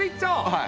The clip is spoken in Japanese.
はい。